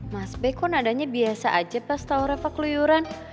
mas bek kok nadanya biasa aja pas tau reva keluyuran